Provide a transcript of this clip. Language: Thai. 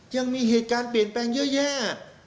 ยังมีเหตุการณ์เปลี่ยนแปลงเยอะแยะ